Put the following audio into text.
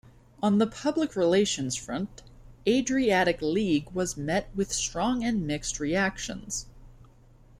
On the public relations front, Adriatic League was met with strong and mixed reactions.